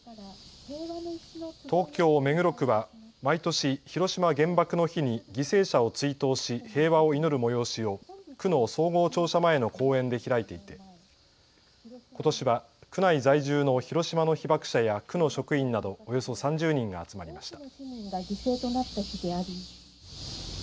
東京目黒区は毎年、広島原爆の日に犠牲者を追悼し平和を祈る催しを区の総合庁舎前の公園で開いていてことしは区内在住の広島の被爆者や区の職員などおよそ３０人が集まりました。